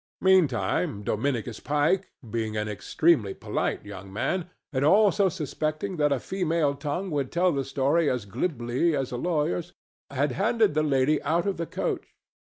Meantime, Dominicus Pike, being an extremely polite young man, and also suspecting that a female tongue would tell the story as glibly as a lawyer's, had handed the lady out of the coach.